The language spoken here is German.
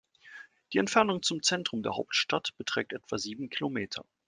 Die Entfernung zum Zentrum der Hauptstadt beträgt etwa sieben Kilometer.